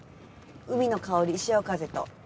海の香り潮風と。